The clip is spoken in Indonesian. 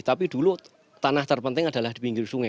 tapi dulu tanah terpenting adalah di pinggir sungai